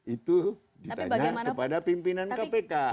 itu ditanya kepada pimpinan kpk